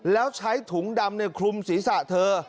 แล้วใช้ถุงดำคลุมศีรษะเธอ